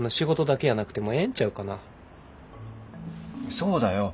そうだよ。